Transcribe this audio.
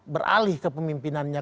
beralih ke pemimpinannya